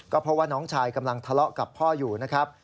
เพราะว่าน้องชายกำลังทะเลาะกับพ่ออยู่นะครับ